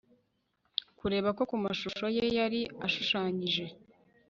Kuberako kumashusho ye yari ashushanyije